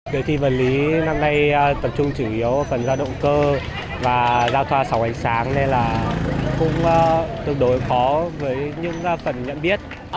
đề thi vật lý năm nay tập trung chủ yếu ở phần gia động cơ và gia thoa sảo hành sáng nên là cũng tương đối khó với những phần nhận biết